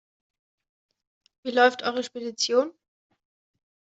Wie läuft eure Spedition?